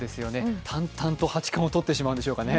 淡々と八冠をとってしまうんでしょうかね。